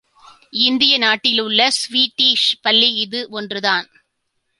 இந்திய நாட்டில் உள்ள ஸ்வீடிஷ் பள்ளி இது ஒன்றுதான்.